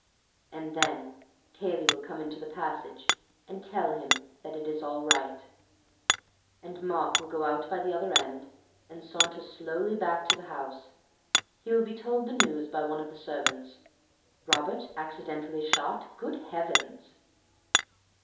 And then Cayley will come into the passage and tell him that it is all right, and Mark will go out by the other end, and saunter slowly back to the house. He will be told the news by one of the servants. Robert accidentally shot? Good Heavens!